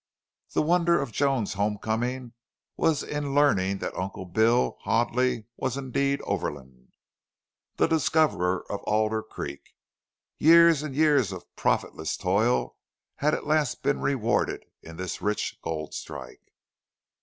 The wonder of Joan's home coming was in learning that Uncle Bill Hoadley was indeed Overland, the discoverer of Alder Creek. Years and years of profitless toil had at last been rewarded in this rich gold strike.